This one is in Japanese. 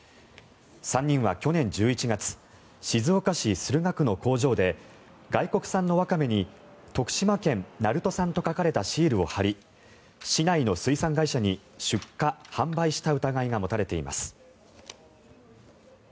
３人は去年１１月静岡市駿河区の工場で外国産のワカメに徳島県鳴門産と書かれたシールを貼り市内の水産会社に出荷・販売した疑いが持たれています。